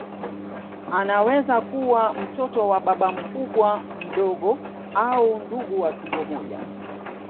Anaweza kuwa mtoto wa baba mkubwa mdogo au ndugu wa tumbo moja